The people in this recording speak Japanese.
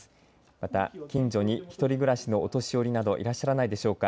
また近所に１人暮らしのお年寄りなどいらっしゃらないでしょうか。